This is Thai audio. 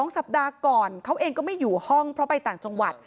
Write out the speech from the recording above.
สัปดาห์ก่อนเขาเองก็ไม่อยู่ห้องเพราะไปต่างจังหวัด